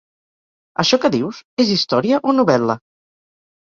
Això que dius, és història o novel·la?